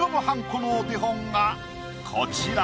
このお手本がこちら。